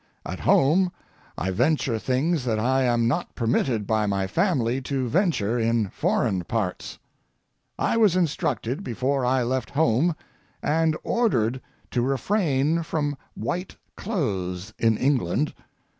At home I venture things that I am not permitted by my family to venture in foreign parts. I was instructed before I left home and ordered to refrain from white clothes in England.